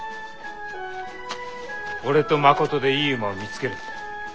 俺と誠でいい馬を見つける。